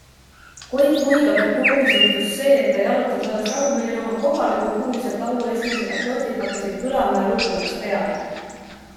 Koit muigab, et proovis juhtus see, et ta jalutas alles rahumeeli oma kohale, kui kuulis, et laulu esimesed akordid hakkasid kõlama ja lugu läks peale.